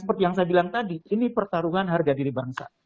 seperti yang saya bilang tadi ini pertarungan harga diri bangsa